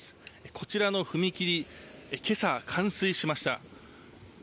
こちらの踏切けさ冠水しました。